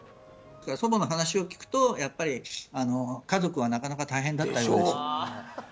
祖母の話を聞くとやっぱりあの家族はなかなか大変だったようです。でしょう！